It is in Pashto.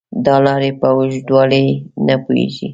دا لارې په اوږدوالي نه پوهېږي .